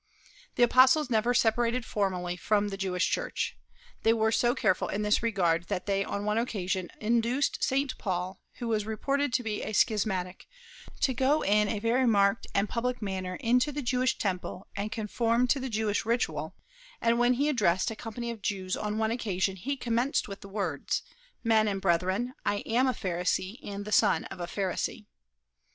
The Apostles never separated formally from the Jewish church. They were so careful in this regard that they on one occasion induced St. Paul, who was reported to be a schismatic, to go in a very marked and public manner into the Jewish temple and conform to the Jewish ritual; and when he addressed a company of Jews on one occasion he commenced with the words: "Men and brethren, I am a Pharisee and the son of a Pharisee."